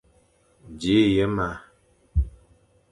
Dji ye ma.